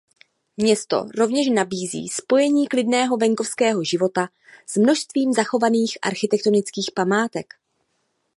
Město rovněž nabízí spojení klidného venkovského života s množstvím zachovaných architektonických památek.